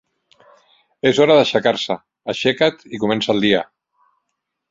És hora d'aixecar-se! Aixeca't i comença el dia!